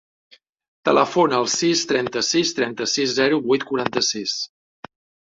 Telefona al sis, trenta-sis, trenta-sis, zero, vuit, quaranta-sis.